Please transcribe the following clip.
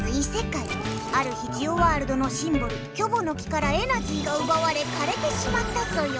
ある日ジオワールドのシンボルキョボの木からエナジーがうばわれかれてしまったソヨ。